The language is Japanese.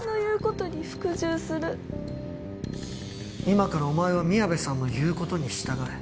今からお前は宮部さんの言う事に従え。